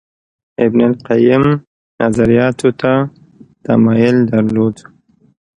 ابن القیم نظریاتو ته تمایل درلود